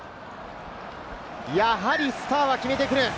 やはりスターは決めてくる！